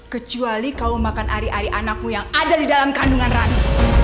kecuali kau makan ari ari anakmu yang ada di dalam kandungan rani